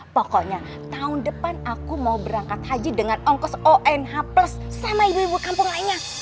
pokoknya tahun depan aku mau berangkat haji dengan ongkos on h plus sama ibu ibu kampung lainnya